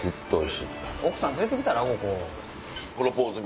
奥さん連れて来たら？ここ。